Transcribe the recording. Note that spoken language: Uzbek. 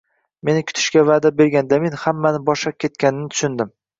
Meni kutishga va’da bergan Damin hammani boshlab ketganini tushundim.